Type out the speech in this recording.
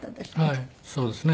はいそうですね。